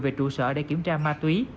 về trụ sở để kiểm tra ma túy